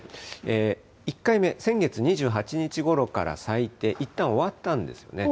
１回目、先月２８日ごろから咲いて、いったん終わったんですね。